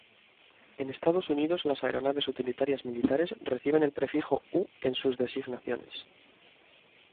En Estados Unidos las aeronaves utilitarias militares reciben el prefijo ‘U’ en sus designaciones.